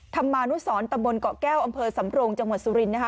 ธรรมานุษย์สอนตะบลเกล้าอำเภอสำโลงจังหวัดสุรินนะคะ